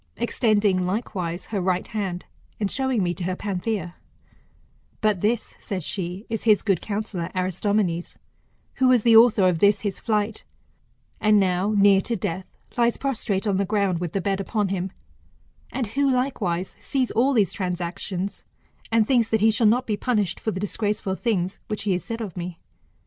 Extending, likewise, her right hand, and showing me to her Panthia ; But this, said she, is his good counsellor Aristomenes, who was the author of this his flight, and now, near to death, lies prostrate on the ground with the bed upon him, and who likewise sees all these transactions, and thinks that he shall not be punished for the disgraceful things which he has said of me.